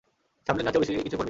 সামলে নেয়ার চেয়েও বেশিকিছু করবি।